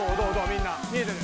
みんな見えてる？